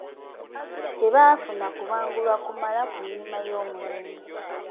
Tebaafuna kubangulwa kumala ku nnima ey’omulembe.